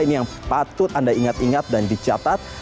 ini yang patut anda ingat ingat dan dicatat